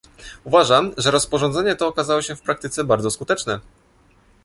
Uważam, że rozporządzenie to okazało się w praktyce bardzo skuteczne